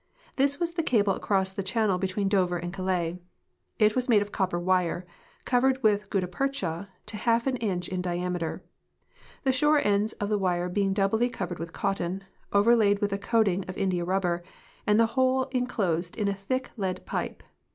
This was the cable across the channel between Dover and Calais. It was made of copper wire, covered with gutta percha to half an inch in diameter, the shore ends of the wire being doubly covered with cotton, overlaid Avith a coat ing of India rubber, and the whole inclosed in a thick lead pipe.